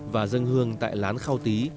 và dân hương tại lán khao tí